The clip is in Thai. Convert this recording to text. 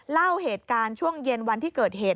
เล่าเหตุการณ์ช่วงเย็นวันที่เกิดเหตุ